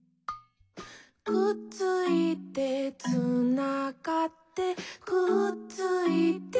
「くっついて」「つながって」「くっついて」